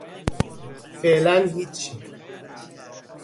فعلن هیچی